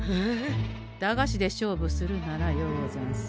駄菓子で勝負するならようござんす。